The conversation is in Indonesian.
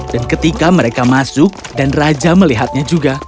dan ketika mereka masuk dan raja melihatnya juga